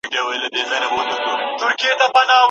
د اوبو مقاومت د حرکت پر وخت د بدن قوت زیاتوي.